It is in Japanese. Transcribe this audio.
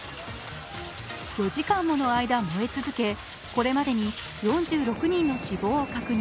４時間もの間燃え続け、これまでに４６人の死亡を確認。